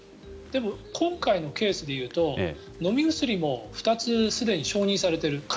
でも、今回のケースでいうと飲み薬も２つすでに承認されている。